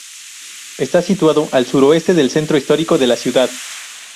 Está situado al suroeste del centro histórico de la ciudad.